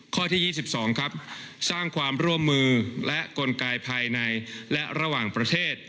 ข้อที่๒๒ครับสร้างความร่วมมือและกลไกภายในและระหว่างประเทศ